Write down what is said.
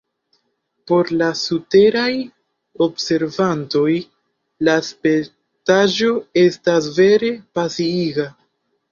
Por la surteraj observantoj la spektaĵo estas vere pasiiga!